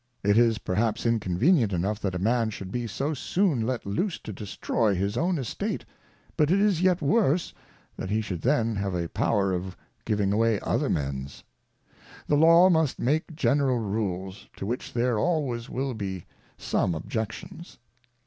It is perhaps inconvenient enough that a man should be so soon let loose to destroy his own Estate ; but it is yet worse, that he should then have a Power of giving away other men's. The Law must make General Rules, to which there always will be some Objections.